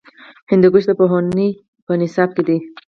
هندوکش د پوهنې په نصاب کې دی.